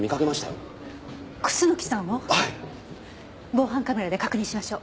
防犯カメラで確認しましょう。